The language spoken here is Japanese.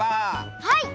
はい！